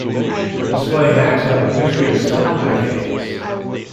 Display hacks have a history of several decades.